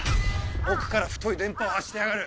奥から太い電波を発してやがる！